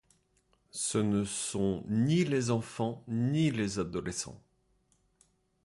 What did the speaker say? Ce ne sont ni les enfants, ni les adolescents.